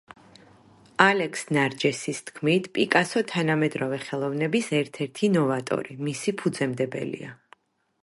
ალექს ნარჯესის თქმით, პიკასო თანამედროვე ხელოვნების ერთ-ერთი ნოვატორი, მისი ფუძემდებელია.